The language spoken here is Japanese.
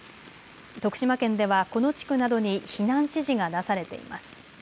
徳島県ではこの地区などに避難指示が出されています。